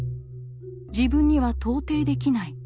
自分には到底できない。